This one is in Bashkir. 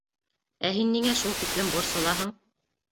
Ә һин ниңә шул тиклем борсолаһың?